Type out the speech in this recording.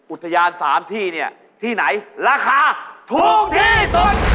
อุทยานสามที่นี่ที่ไหนราคาทุกที่สุด